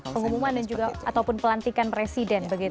pengumuman dan juga ataupun pelantikan presiden